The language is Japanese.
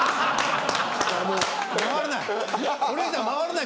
回らない！